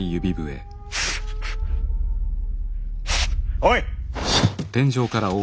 おい！